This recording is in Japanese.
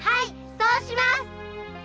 そうします！